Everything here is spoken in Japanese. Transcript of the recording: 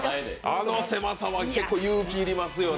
あの狭さは勇気要りますよね。